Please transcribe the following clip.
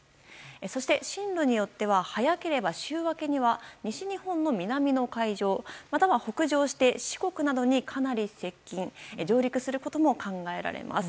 また、進路によっては週明けには西日本の南の海上または北上して四国などにかなり接近・上陸することも考えられます。